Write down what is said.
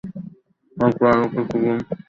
হয়তো আরো কিছুদিন অপেক্ষা করতে হবে।